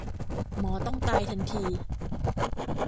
หมอต้องตายทันที